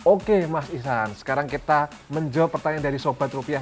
oke mas isan sekarang kita menjawab pertanyaan dari sobat rupiah